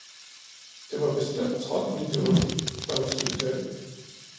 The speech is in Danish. det var bestemt trolden i dåsen, der var skyld deri.